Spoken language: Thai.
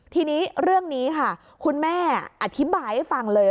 ทีนี้เรื่องนี้ค่ะคุณแม่อธิบายให้ฟังเลย